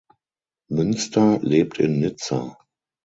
Münster lebt in Nizza.